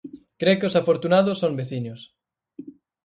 Cre que os afortunados son veciños.